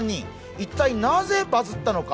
一体なぜバズったのか？